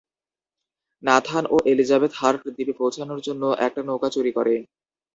Nathan ও Elizabeth Hart দ্বীপে পৌঁছানোর জন্য একটা নৌকা চুরি করে।